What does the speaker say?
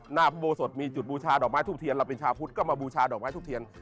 หน้าพระโบสถมีจุดบูชาดอกไม้ทูบเทียนเราเป็นชาวพุทธก็มาบูชาดอกไม้ทูบเทียน